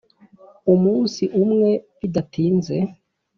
umunsi umwe bidatinze